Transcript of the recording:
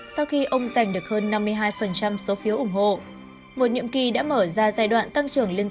sau khi ông giành được hơn năm mươi hai số phiếu ủng hộ một nhiệm kỳ đã mở ra giai đoạn tăng trưởng liên